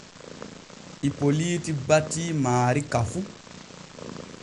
Ipoliiti batii maari ka fu.